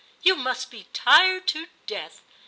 *You must be tired to death.